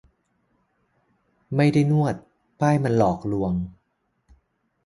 ไม่ได้นวด ป้ายมันหลอกลวงงง